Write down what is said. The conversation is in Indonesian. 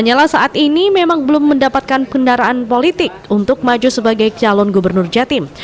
lanyala saat ini memang belum mendapatkan kendaraan politik untuk maju sebagai calon gubernur jatim